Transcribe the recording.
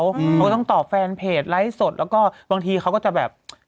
เขาก็ต้องตอบแฟนเพจไลฟ์สดแล้วก็บางทีเขาก็จะแบบ